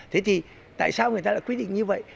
thế thì tại sao người ta quy định như vậy